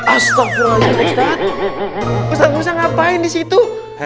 astagfirullahaladzim ustadz musa ngapain di situ